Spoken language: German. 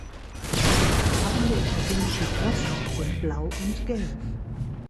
Die Farben der italienischen Post sind Blau und Gelb.